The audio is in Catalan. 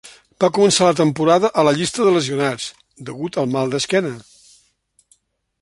Va començar la temporada a la llista de lesionats degut al mal d'esquena.